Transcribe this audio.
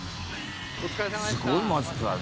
「すごいマスクだね」